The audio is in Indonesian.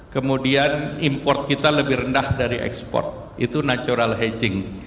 kemudian import kita lebih rendah dari ekspor itu natural hedging